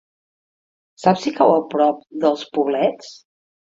Saps si cau a prop dels Poblets?